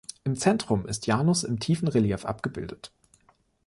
Im Zentrum ist Janus im tiefen Relief abgebildet.